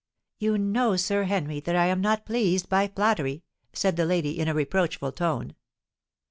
"You know, Sir Henry, that I am not pleased by flattery," said the lady in a reproachful tone.